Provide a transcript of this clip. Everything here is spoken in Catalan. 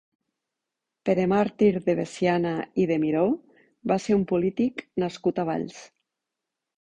Pere Màrtir de Veciana i de Miró va ser un polític nascut a Valls.